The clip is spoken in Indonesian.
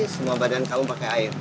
semua badan kamu pakai air